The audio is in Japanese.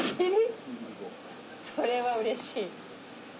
それはうれしい。